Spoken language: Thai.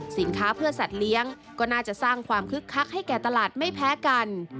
สินค้าเพื่อสัตว์เลี้ยงก็น่าจะสร้างความคึกคักให้แก่ตลาดไม่แพ้กัน